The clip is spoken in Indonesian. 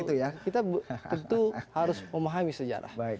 iya tentu kita tentu harus memahami sejarah